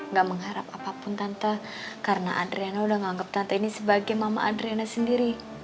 gak mengharap apapun tante karena adriana udah menganggap tante ini sebagai mama adriana sendiri